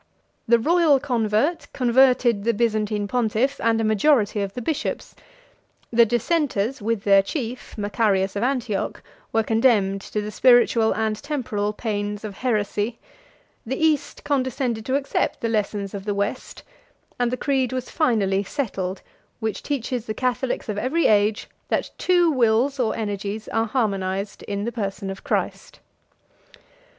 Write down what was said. The royal convert converted the Byzantine pontiff and a majority of the bishops; 105 the dissenters, with their chief, Macarius of Antioch, were condemned to the spiritual and temporal pains of heresy; the East condescended to accept the lessons of the West; and the creed was finally settled, which teaches the Catholics of every age, that two wills or energies are harmonized in the person of Christ.